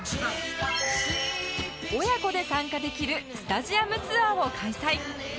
親子で参加できるスタジアムツアーを開催